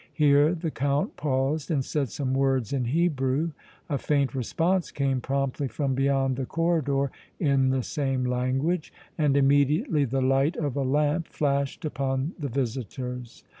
Here the Count paused and said some words in Hebrew. A faint response came promptly from beyond the corridor in the same language, and immediately the light of a lamp flashed upon the visitors.